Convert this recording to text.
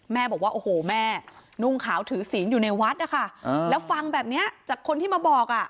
บอกว่าโอ้โหแม่นุ่งขาวถือศีลอยู่ในวัดนะคะแล้วฟังแบบนี้จากคนที่มาบอกอ่ะ